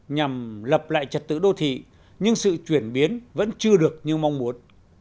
nhằm lập lại trật tự đô thị nhưng sự chuyển biến vẫn chưa được như mong muốn